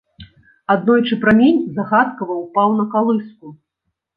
Аднойчы прамень загадкава ўпаў на калыску.